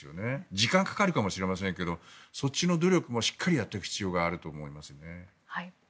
時間はかかるかもしれませんがそっちの努力もしっかりやっていく必要があると思いますね。